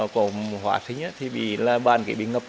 còn hỏa chính thì bị ban kỹ bị ngập